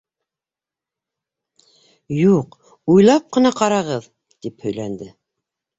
— Юҡ, уйлап ҡына ҡарағыҙ! — тип һөйләнде.